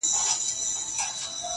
• که پر مځکه ګرځېدل که په هوا وه -